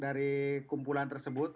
dari kumpulan tersebut